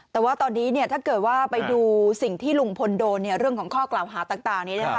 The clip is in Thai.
แต่ว่าตอนนี้ถ้าเกิดว่าไปดูสิ่งที่ลุงพลโดนเรื่องของข้อกล่าวหาต่างนี้นะคะ